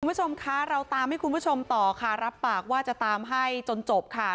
คุณผู้ชมคะเราตามให้คุณผู้ชมต่อค่ะรับปากว่าจะตามให้จนจบค่ะ